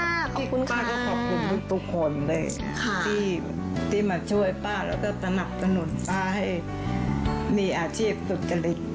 ขอบคุณป้าก็ขอบคุณทุกคนเลยที่มาช่วยป้าแล้วก็สนับสนุนป้าให้มีอาชีพสุจริต